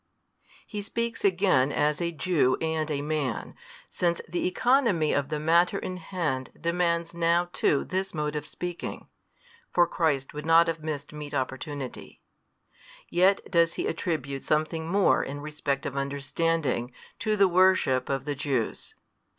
He speaks again as a Jew and a man, since the economy of the matter in hand demands now too this mode of speaking (for Christ would not have missed meet opportunity): yet does He attribute something more in respect of understanding to the worship of the Jews.